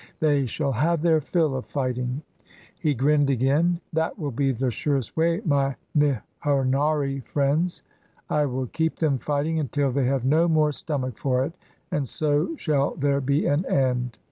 They shall have their fill of fighting." He grinned again. "That will be the surest way, my mihonari friends. I will keep them fighting until they have no more stom ach for it, and so shall there be an end."